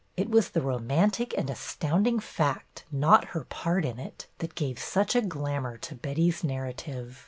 It was the romantic and astounding fact, not her part in it, that gave such a glamour to Betty's narra tive.